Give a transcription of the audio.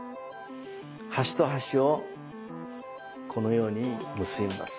端と端をこのように結びます。